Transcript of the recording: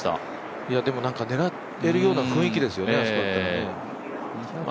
でも狙ってるような雰囲気ですよね。